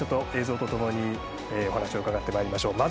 映像とともにお話を伺っていきましょう。